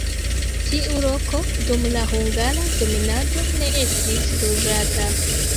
Tiu loko dum la hungara dominado ne estis loĝata.